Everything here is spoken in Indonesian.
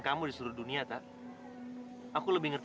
lain di mulut lain di hati